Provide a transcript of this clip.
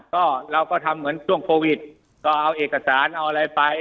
ก็เราก็ทำเหมือนช่วงโควิดก็เอาเอกสารเอาอะไรไป